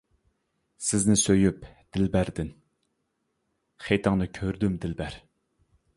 سىزنى سۆيۈپ: دىلبەردىن» «خېتىڭنى كۆردۈم دىلبەر.